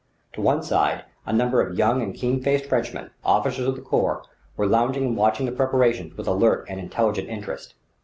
To one side a number of young and keen faced Frenchmen, officers of the corps, were lounging and watching the preparations with alert and intelligent interest.